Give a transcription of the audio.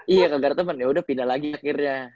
iya kagak ada temen yaudah pindah lagi akhirnya